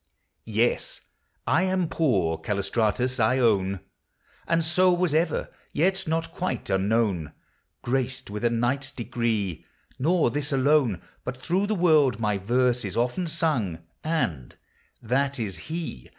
Yes, — I am poor, Callistratus ! I own ; And so was ever; yet not quite unknown, Graced with a knight's degree ; nor this alone : But through the world my verse is often sung; And " That is he